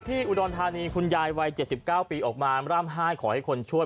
อุดรธานีคุณยายวัย๗๙ปีออกมาร่ำไห้ขอให้คนช่วย